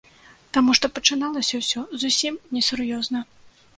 Таму што пачыналася ўсё зусім несур'ёзна.